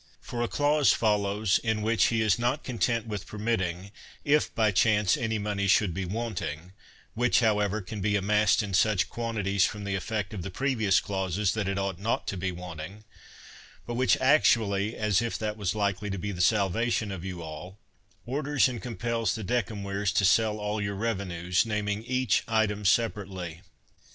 For a THE WORLD'S FAMOUS ORATIONS clause follows, in which he is not content with permitting, if by chance any money should be wanting (which, however, can be amassed in such quantities from the effect of the previous clauses, that it ought not to be wanting), but which actually (as if that was likely to be the salvation of you all) orders and compels the de cemvirs to sell all your revenues, naming each item separately.